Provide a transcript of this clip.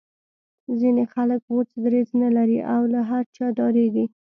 ځینې خلک غوڅ دریځ نه لري او له هر چا ډاریږي